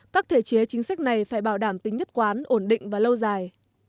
các thể chế chính sách này phải bảo đảm tính nhất quán ổn định và lâu dài